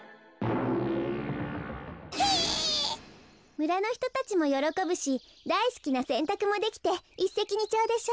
むらのひとたちもよろこぶしだいすきなせんたくもできていっせきにちょうでしょ？